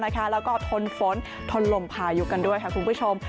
แล้วก็ทนฝนทนลมพายุกันด้วยค่ะคุณผู้ชม